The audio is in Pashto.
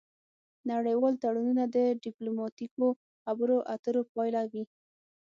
نړیوال تړونونه د ډیپلوماتیکو خبرو اترو پایله وي